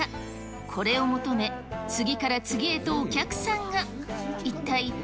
これを求め、次から次へとお客さんが。